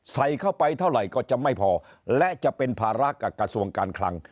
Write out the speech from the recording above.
ใส่เข้าไปเท่าไหร่ก็จะไม่พอและจะเป็นภาระกับกระทรวงการคลัง